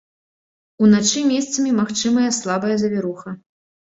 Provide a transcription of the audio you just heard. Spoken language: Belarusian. Уначы месцамі магчымая слабая завіруха.